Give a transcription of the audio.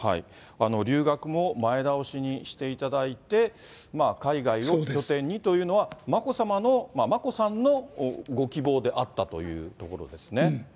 留学も前倒しにしていただいて、海外を拠点にというのは、眞子さまの、眞子さんのご希望であったというところですね。